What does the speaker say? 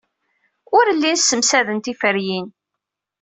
Ur llin ssemsaden tiferyin.